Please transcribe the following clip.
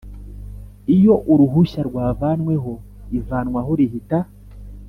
Iyo uruhushya rwavanweho ivanwaho rihita